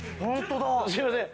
すいません。